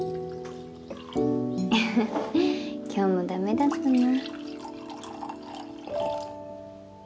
ウフフ今日も駄目だったな。